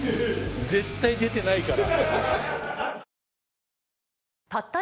絶対出てないから。